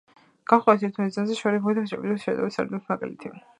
განვიხილოთ ერთი მიზანზე შორი მოქმედების ბომბდამშენებით შეტევის არიდების მაგალითი.